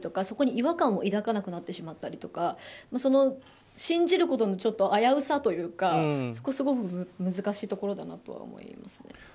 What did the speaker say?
そこに違和感を抱かなくなってしまったりとか信じることの危うさというか、すごく難しいところだなと思います。